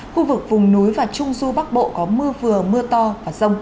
khu vực vùng núi và trung du bắc bộ có mưa vừa mưa to và rông